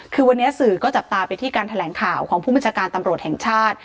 คือวันนี้สื่อก็จับตาไปที่การแถลงข่าวของผู้บัญชาการตำรวจแห่งชาติ